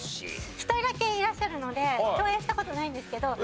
１人だけいらっしゃるので共演した事ないんですけど。